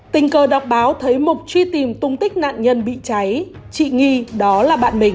tình cờ đọc báo thấy mục truy tìm tung tích nạn nhân bị cháy chị nghi đó là bạn mình